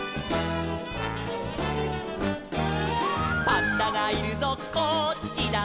「パンダがいるぞこっちだ」